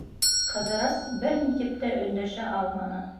Ҡыҙырас бер ни тип тә өндәшә алманы.